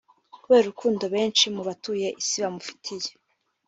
kubera urukundo benshi mu batuye Isi bamufitiye